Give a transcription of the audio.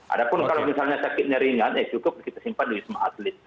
ada pun kalau misalnya sakitnya ringan ya cukup kita simpan di wisma atlet